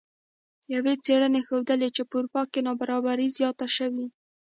یوې څیړنې ښودلې چې په اروپا کې نابرابري زیاته شوې